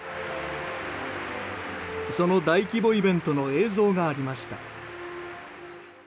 その大規模イベントの映像がありました。